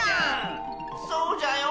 そうじゃよ。